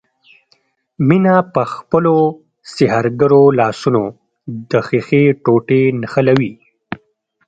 مينه په خپلو سحرګرو لاسونو د ښيښې ټوټې نښلوي.